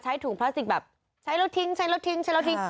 ถุงพลาสติกแบบใช้แล้วทิ้งใช้แล้วทิ้งใช้แล้วทิ้ง